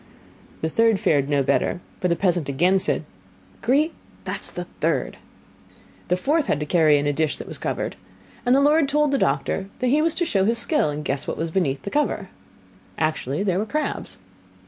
The third fared no better, for the peasant again said: 'Grete, that is the third.' The fourth had to carry in a dish that was covered, and the lord told the doctor that he was to show his skill, and guess what was beneath the cover. Actually, there were crabs.